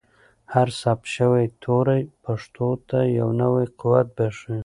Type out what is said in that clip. هر ثبت شوی توری پښتو ته یو نوی قوت بښي.